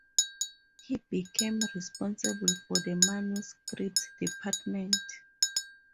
He became responsible for the manuscripts department.